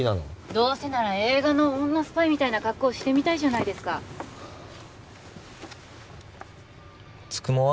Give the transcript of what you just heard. どうせなら映画の女スパイみたいな格好してみたいじゃないですかはあ九十九は？